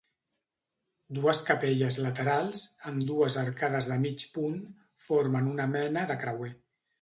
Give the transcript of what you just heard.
Dues capelles laterals, amb dues arcades de mig punt, formen una mena de creuer.